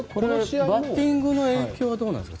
バッティングの影響はどうなんですか。